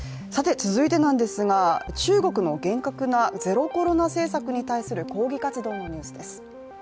続いて何ですが、中国の厳格なゼロコロナ政策に対する抗議活動のニュースです。